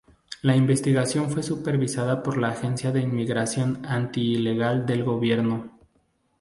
La investigación fue supervisada por la Agencia de Inmigración Anti-Ilegal del gobierno.